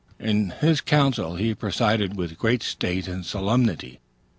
In his council he presided with great state and solemnity.